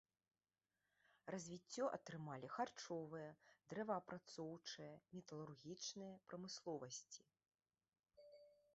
Развіццё атрымалі харчовая, дрэваапрацоўчая, металургічная прамысловасці.